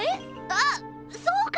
あっそうか。